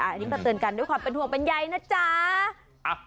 อันนี้จะเตือนกันด้วยความเป็นห่วงใหญ่นะจ๊า